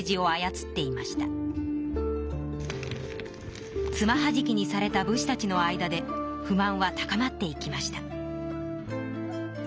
つまはじきにされた武士たちの間で不満は高まっていきました。